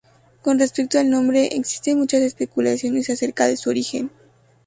Con respecto al nombre existe muchas especulaciones acerca de su origen.